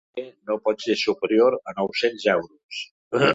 El lloguer no pot ser superior a nou-cents euros.